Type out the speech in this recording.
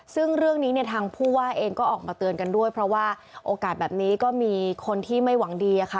ซึ่งเรื่องนี้เนี่ยทางผู้ว่าเองก็ออกมาเตือนกันด้วยเพราะว่าโอกาสแบบนี้ก็มีคนที่ไม่หวังดีค่ะ